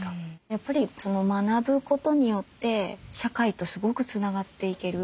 やっぱり学ぶことによって社会とすごくつながっていける。